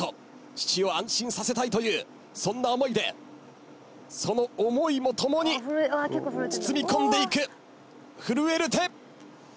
父を安心させたいというそんな思いでその思いも共に包み込んでいく震える手！